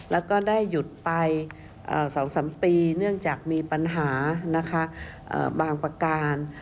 แล้วก็ได้หยุดไป๒๓ปีเนื่องจากมีปัญหานะคะบางประการ